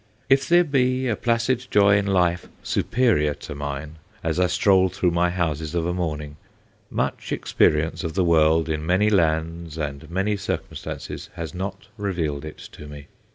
If there be a placid joy in life superior to mine, as I stroll through my houses of a morning, much experience of the world in many lands and many circumstances has not revealed it to me.